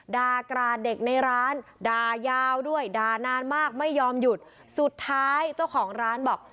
ด่ากราดเด็กในร้านด่ายาวด้วยด่านานมากไม่ยอมหยุดสุดท้ายเจ้าของร้านบอก